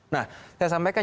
nah saya sampaikan